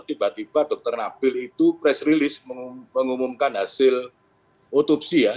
tiba tiba dokter nabil itu press release mengumumkan hasil otopsi ya